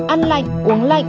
ăn lạnh uống lạnh